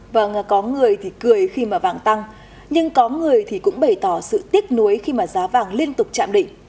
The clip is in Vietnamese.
vâng có người thì cười khi mà vàng tăng nhưng có người thì cũng bày tỏ sự tiếc nuối khi mà giá vàng liên tục chạm định